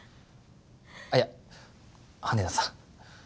あいや羽田さん